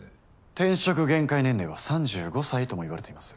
転職限界年齢は３５歳ともいわれています。